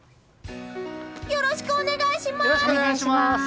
よろしくお願いします！